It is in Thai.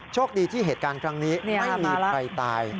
โชคดีที่เหตุการณ์ครั้งนี้ไม่มีใครตาย